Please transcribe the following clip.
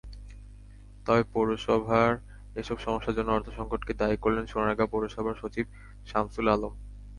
তবে পৌরসভার এসব সমস্যার জন্য অর্থসংকটকে দায়ী করলেন সোনারগাঁ পৌরসভার সচিব শামসুল আলম।